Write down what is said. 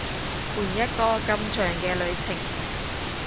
換一個咁長嘅旅程